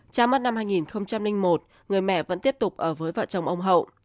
cha mất năm hai nghìn một người mẹ vẫn tiếp tục ở với vợ chồng ông hậu